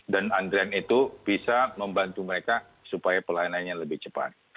dan antrian itu bisa membantu mereka supaya pelayanannya lebih cepat